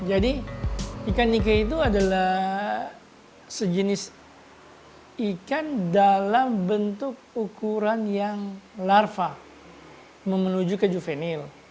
jadi ikan ike itu adalah sejenis ikan dalam bentuk ukuran yang larva memenuhi keju venil